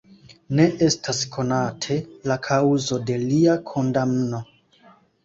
Ne estas konate la kaŭzo de lia kondamno.